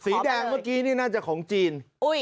สีแดงเมื่อกี้นี่น่าจะของจีน